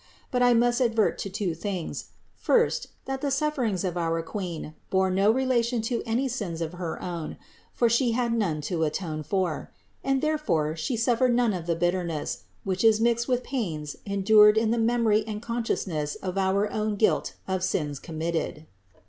But I must advert to two things : first, that the sufferings of our Queen bore no relation to any sins of her own, for She had none to atone for; and therefore She suffered none of the bitterness, which is mixed with pains endured in the memory and consciousness of our own guilt of sins committed.